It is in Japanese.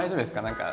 何か。